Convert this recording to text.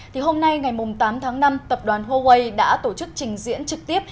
thì hôm nay ngày tám tháng năm tập đoàn huawei đã tổ chức trình diễn trực tiếp